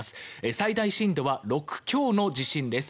最大深度は６強の地震です。